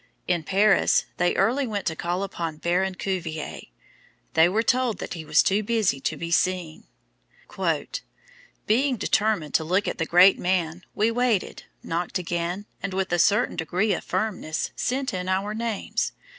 In Paris they early went to call upon Baron Cuvier. They were told that he was too busy to be seen: "Being determined to look at the Great Man, we waited, knocked again, and with a certain degree of firmness, sent in our names.